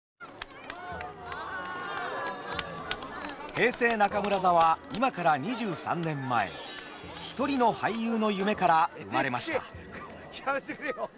平成中村座は今から２３年前１人の俳優の夢から生まれました。